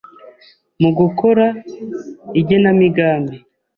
mu gukora igenamigambi,